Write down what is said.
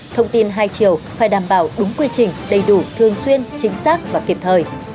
thông tin hai chiều phải đảm bảo đúng quy trình đầy đủ thường xuyên chính xác và kịp thời